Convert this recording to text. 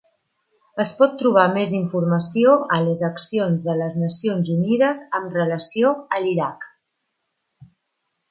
Es pot trobar mes informació a les accions de les Nacions Unides amb relació a l'Iraq.